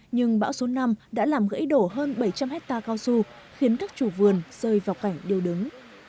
nhưng bão số năm đã làm gãy đổ hơn bảy trăm linh hectare cao su khiến các chủ vườn rơi vào cảnh điều đứng